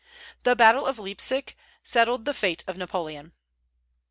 The battle of Leipsic settled the fate of Napoleon.